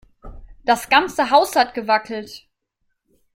Das ganze Haus hat gewackelt.